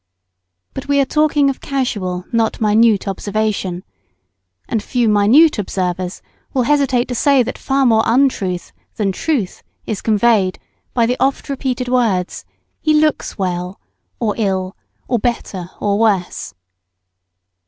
But we are talking of casual, not minute, observation. And few minute observers will hesitate to say that far more untruth than truth is conveyed by the oft repeated words, He looks well, or ill, or better or worse.